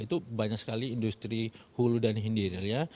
itu banyak sekali industri hulu dan hindir ya